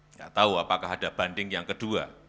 nggak tahu apakah ada banding yang kedua